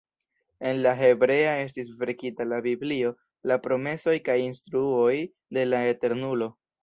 En la hebrea estis verkita la biblio, la promesoj kaj instruoj de la Eternulo.